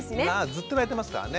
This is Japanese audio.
ずっと泣いてますからね。